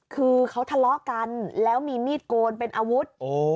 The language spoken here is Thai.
คือเขาทะเลาะกันแล้วมีมีดโกนเป็นอาวุธ